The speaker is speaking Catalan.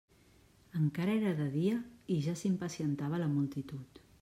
Encara era de dia i ja s'impacientava la multitud.